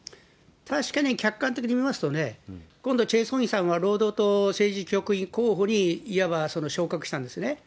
確かに客観的に見ますと、今度チェ・ソニさんは労働党政治局員候補にいわば昇格したんですね。